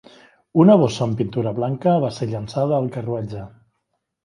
Una bossa amb pintura blanca va ser llançada al carruatge.